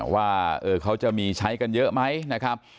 ว่าเขาจะมีใช้กันเยอะไหมนะครับ